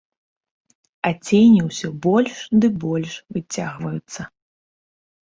А цені ўсё больш ды больш выцягваюцца.